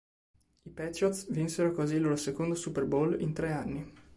I Patriots vinsero così il loro secondo Super Bowl in tre anni.